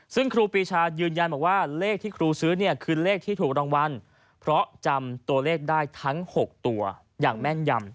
ซึ่งครูปีชายืนยันบอกว่าเลขที่ครูซื้อเนี่ยคือเลขที่ถูกรางวัลเพราะจำตัวเลขได้ทั้ง๖ตัวอย่างแม่นยำ